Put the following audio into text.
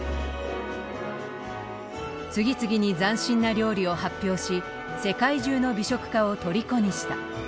次々に斬新な料理を発表し世界中の美食家をとりこにした。